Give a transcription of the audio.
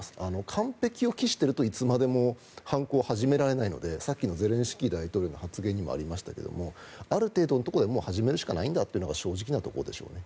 完璧を期しているといつまでも反攻を始められないのでさっきのゼレンスキー大統領の発言にもありましたがある程度のところで始めるしかないというところが正直なところですね。